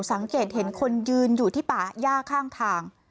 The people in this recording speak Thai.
สังเกตเห็นคนยืนอยู่ที่ป่าย่าข้างทาง